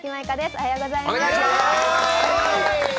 おはようございます。